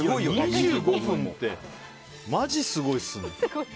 ２５分ってマジすごいですね。